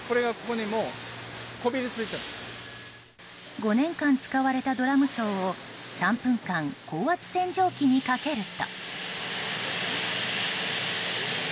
５年間使われたドラム槽を３分間、高圧洗浄機にかけると。